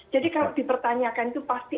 jadi kalau dipertanyakan itu pasti